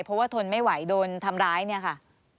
เพราะว่าทนไม่ไหวโดนทำร้ายเนี่ยค่ะ